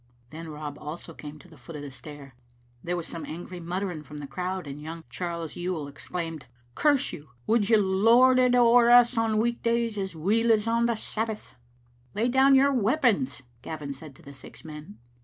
Then Rob also came to the foot of the stair. There was some angry muttering from the crowd, and young Charles Yuill exclaimed, "Curse you, would you lord it ower us on week days as weel as on Sabbaths?" " Lay down your weapons," Gavin said to the six men.